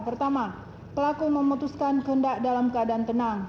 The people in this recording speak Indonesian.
pertama pelaku memutuskan kehendak dalam keadaan tenang